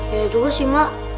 ya juga sih mak